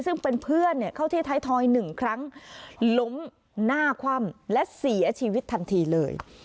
ซึ่งเป็นเพื่อนเข้าที่ท้ายทอยหนึ่งครั้งล้มหน้าคว่ำและเสียชีวิตทันทีเลย